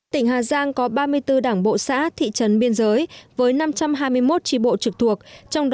tỉnh hà giang có ba mươi bốn đảng bộ xã thị trấn biên giới với năm trăm hai mươi một tri bộ trực thuộc